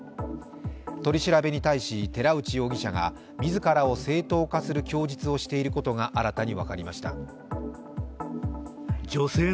取り調べに対し寺内容疑者が自らを正当化する供述をしていることが新たに分かりました。